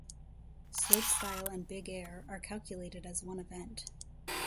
Slopestyle and Big Air are calculated as one event.